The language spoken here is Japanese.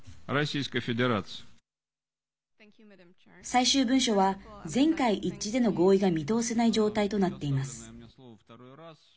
最終文書は全会一致での合意が見通せない状態となっています。